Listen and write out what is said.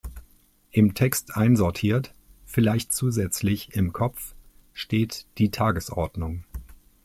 Im Text einsortiert, vielleicht zusätzlich im Kopf, steht die Tagesordnung.